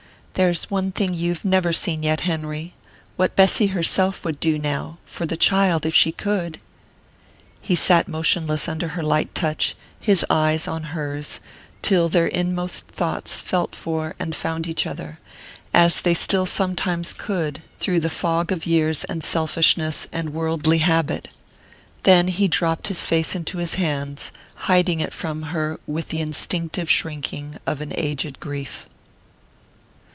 "There's one thing you've never seen yet, Henry: what Bessy herself would do now for the child if she could." He sat motionless under her light touch, his eyes on hers, till their inmost thoughts felt for and found each other, as they still sometimes could, through the fog of years and selfishness and worldly habit; then he dropped his face into his hands, hiding it from her with the instinctive shrinking of an aged grief.